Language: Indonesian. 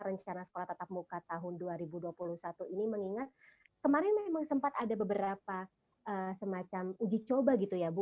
rencana sekolah tatap muka tahun dua ribu dua puluh satu ini mengingat kemarin memang sempat ada beberapa semacam uji coba gitu ya bu